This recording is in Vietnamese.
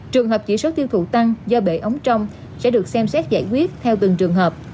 trường hợp chỉ số tiêu thụ tăng do bể ống trong sẽ được xem xét giải quyết theo từng trường hợp